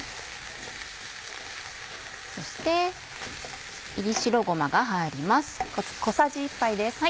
そして炒り白ごまが入ります。